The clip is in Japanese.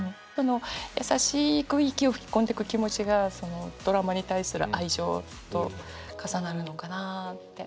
優しく息を吹き込んでく気持ちがそのドラマに対する愛情と重なるのかなって。